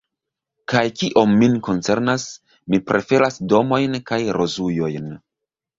Kaj kiom min koncernas, mi preferas domojn kaj rozujojn.